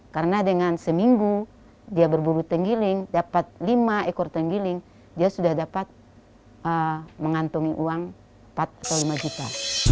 karena dengan seminggu dia berburu tenggiling dapat lima ekor tenggiling dia sudah dapat mengantongi uang empat atau lima juta